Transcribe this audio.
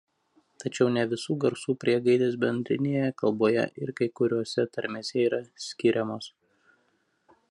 Tačiau ne visų garsų priegaidės bendrinėje kalboje ir kai kuriose tarmėse yra skiriamos.